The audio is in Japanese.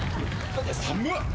寒っ。